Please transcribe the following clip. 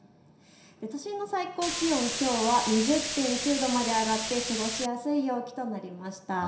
都心の最高気温はきょう２０．９度まで上がって過ごしやすい陽気となりました。